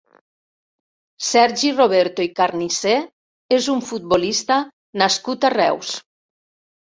Sergi Roberto i Carnicer és un futbolista nascut a Reus.